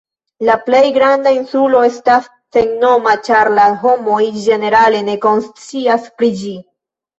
La plej granda insulo estas sennoma, ĉar la homoj ĝenerale ne konscias pri ĝi.